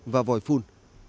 và vòi phun